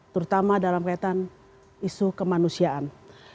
terutama dalam kaitan isu kemanusiaan